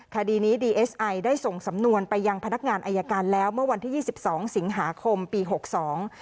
คดีนี้ดีเอสไอได้ส่งสำนวนไปยังพนักงานอายการแล้วเมื่อวันที่ยี่สิบสองสิงหาคมปีหกสอง